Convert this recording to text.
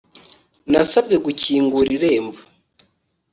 Nasabwe gukingura irembo